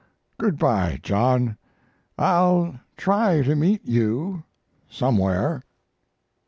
Good by, John. I'll try to meet you somewhere."